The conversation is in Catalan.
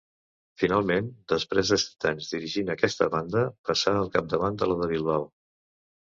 Finalment, després de set anys dirigint aquesta banda, passà al capdavant de la de Bilbao.